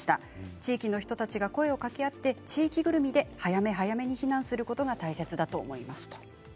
地域の人たちが声をかけあって地域ぐるみで早めに避難することが大切だと思います。